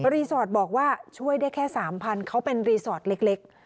สตบอกว่าช่วยได้แค่๓๐๐เขาเป็นรีสอร์ทเล็ก